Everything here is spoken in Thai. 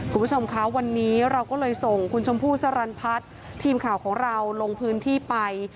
คุณผู้ชมคะวันนี้เราก็เลยส่งคุณชมพู่สรรพัฒน์ทีมข่าวของเราลงพื้นที่ไป